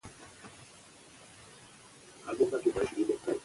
بد خویه نه کېږي.